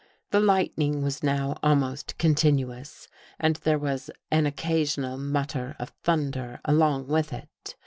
The lightning was now almost continuous and there was an occasional mut ter of thunder along with it.